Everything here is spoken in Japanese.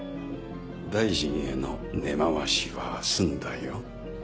大臣への根回しは済んだよ。